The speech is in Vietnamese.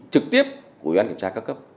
trực tiếp của ủy ban kiểm tra cao cấp